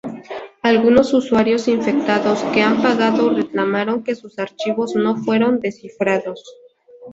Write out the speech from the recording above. Algunos usuarios infectados que han pagado reclamaron que sus archivos no fueron descifrados.